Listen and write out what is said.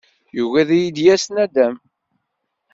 Yugi ad iyi-d-yas naddam.